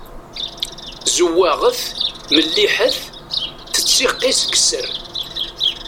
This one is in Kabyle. Zewwaɣet, melliḥet, tettiqi seg sser.